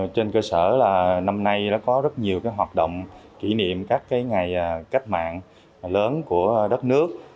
trên cơ sở là năm nay đã có rất nhiều hoạt động kỷ niệm các ngày cách mạng lớn của đất nước